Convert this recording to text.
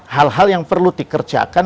hal hal yang perlu dikerjakan